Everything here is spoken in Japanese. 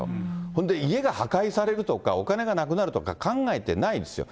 ほんで家が破壊されるとか、お金がなくなるとか、考えてないですよ。